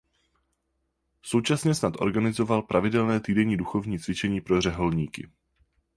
Současně snad organizoval pravidelné týdenní duchovní cvičení pro řeholníky.